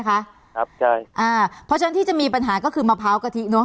เพราะฉะนั้นที่จะมีปัญหาก็คือมะพร้าวกะทิเนอะ